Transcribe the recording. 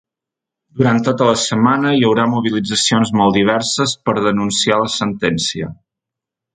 Durant tota la setmana hi haurà mobilitzacions molt diverses per a denunciar la sentència.